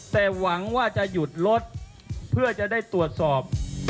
แต่หวังว่าจะหยุดรถเพื่อจะได้ตรวจสอบ